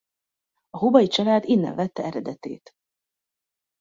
A Hubay család innen vette eredetét.